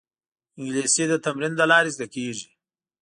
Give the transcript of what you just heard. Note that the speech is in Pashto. انګلیسي د تمرین له لارې زده کېږي